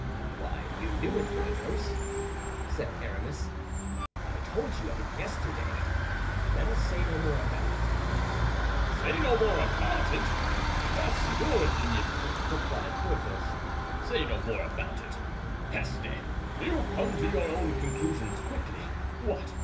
"Why, you knew it, Porthos," said Aramis. "I told you of it yesterday. Let us say no more about it." "Say no more about it? That's your opinion!" replied Porthos. "Say no more about it! Peste! You come to your conclusions quickly. What!